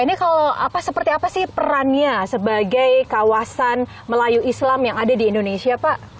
ini kalau seperti apa sih perannya sebagai kawasan melayu islam yang ada di indonesia pak